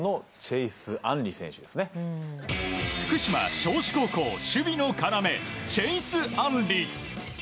福島・尚志高校守備の要チェイス・アンリ。